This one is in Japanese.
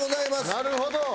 なるほど。